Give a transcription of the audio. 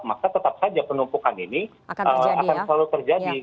maka tetap saja penumpukan ini akan selalu terjadi